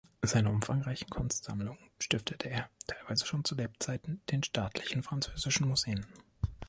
Seine umfangreichen Kunstsammlungen stiftete er, teilweise schon zu Lebzeiten, den staatlichen französischen Museen.